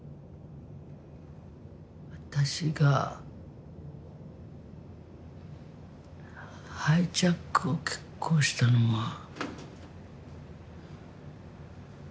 私がハイジャックを決行したのは。